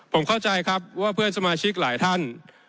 ผมเข้าใจครับว่าเพื่อนสมาชิกหลายท่าน